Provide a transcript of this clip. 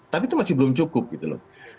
tapi itu masih belum cukup gitu loh